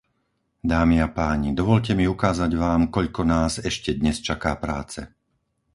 Dámy a páni, dovoľte mi ukázať vám, koľko nás ešte dnes čaká práce.